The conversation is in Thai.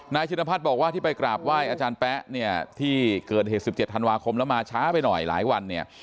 ชินพัฒน์บอกว่าที่ไปกราบไหว้อาจารย์แป๊ะเนี่ยที่เกิดเหตุ๑๗ธันวาคมแล้วมาช้าไปหน่อยหลายวันเนี่ย